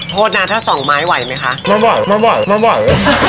โทษนะถ้าสองไม้ไหวไหมคะมันไหวมันไหว